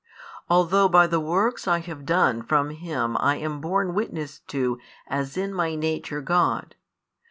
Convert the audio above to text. Although by the works I have done from Him I am borne witness to as in My Nature God.